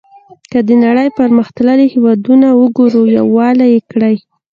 که د نړۍ پرمختللي هېوادونه وګورو یووالی یې کړی.